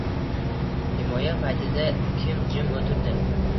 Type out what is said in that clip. “Himoya” paytida kim jim o‘tirdi